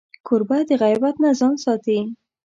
کوربه د غیبت نه ځان ساتي.